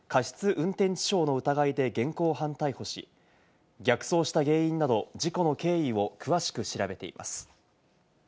運転致傷の疑いで現行犯逮捕し、逆走した原因など、事故の経緯を詳しく調べています。